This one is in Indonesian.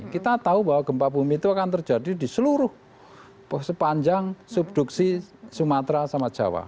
kita tahu bahwa gempa bumi itu akan terjadi di seluruh sepanjang subduksi sumatera sama jawa